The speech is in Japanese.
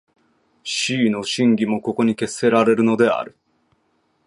思惟の真偽もここに決せられるのである。